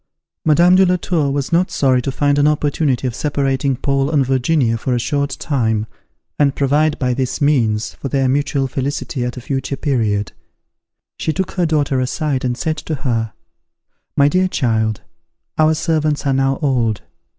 Madame de la Tour was not sorry to find an opportunity of separating Paul and Virginia for a short time, and provide by this means, for their mutual felicity at a future period. She took her daughter aside, and said to her, "My dear child, our servants are now old.